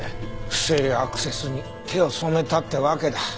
不正アクセスに手を染めたってわけだ。